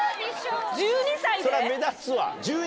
そりゃ目立つわ１２？